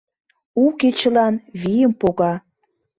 У кечылан вийым пога.